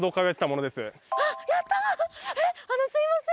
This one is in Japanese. すいません